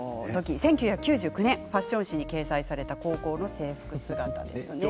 １９９９年ファッション誌に掲載された高校の制服姿です。